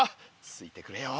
ついてくれよ。